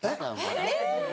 えっ？